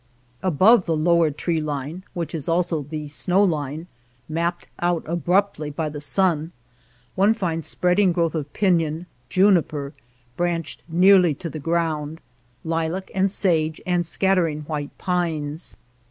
Above the lower tree line, which is also the snow line, mapped out abruptly by the sun, one finds spreading growth of pinon, juniper, branched nearly to the ground, lilac and sage, and scattering white pines.